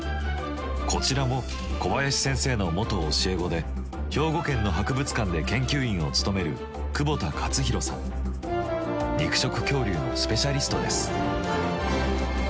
こちらも小林先生の元教え子で兵庫県の博物館で研究員を務める肉食恐竜のスペシャリストです。